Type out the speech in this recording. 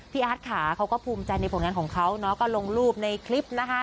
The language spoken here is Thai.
อาร์ตค่ะเขาก็ภูมิใจในผลงานของเขาเนาะก็ลงรูปในคลิปนะคะ